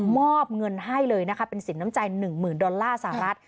มอบเงินให้เลยนะคะเป็นสินน้ำใจ๑๐๐๐ดอลลาร์สหรัฐ